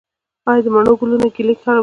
آیا د مڼو ګلونه ږلۍ خرابوي؟